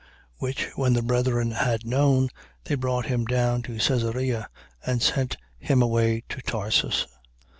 9:30. Which when the brethren had known, they brought him down to Caesarea and sent him away to Tarsus.